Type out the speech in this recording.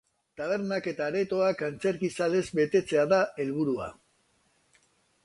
Tabernak eta aretoak antzerkizalez betetzea da helburua.